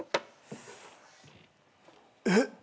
えっ？